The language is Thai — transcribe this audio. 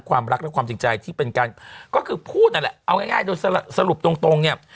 ความรักและความจริงใจที่เป็นการก็คือพูดนั่นแหละเอาง่ายโดยสรุปตรงเนี่ย